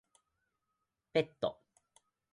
ペット